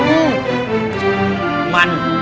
อื้ม